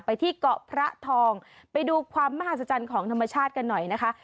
ไปที่เกาะพระทองไปดูความมหัศจรรย์ของธรรมชาติกันหน่อยนะคะ